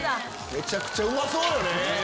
めちゃくちゃうまそうよね。